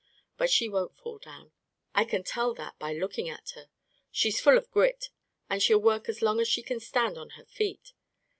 But she won't fall down — I can tell that by looking at her. She's full of grit, and she'll work as long as she can stand on her feet.